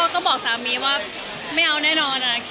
ก็บอกสามีว่าไม่เอาแน่นอน